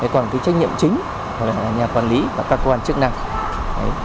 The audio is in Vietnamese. còn cái trách nhiệm chính là nhà quản lý và các quan chức này